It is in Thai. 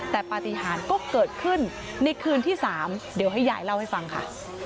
แต่ปฏิหารก็เกิดขึ้นในคืนที่๓เดี๋ยวให้ยายเล่าให้ฟังค่ะ